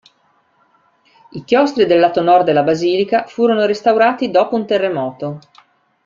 I chiostri del lato nord della basilica furono restaurati dopo un terremoto.